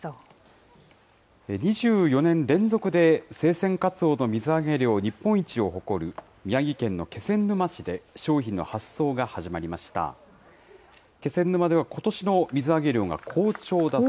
２４年連続で、生鮮カツオの水揚げ量日本一を誇る宮城県の気仙沼市で、商品の発送が始まりました。